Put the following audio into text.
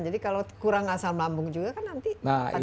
jadi kalau kurang asam lambung juga kan nanti ada efeknya nggak